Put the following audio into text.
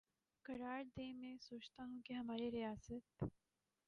قرار دے میںسوچتاہوں کہ ہماری ریاست